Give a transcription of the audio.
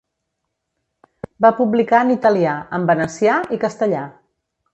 Va publicar en italià, en venecià, i castellà.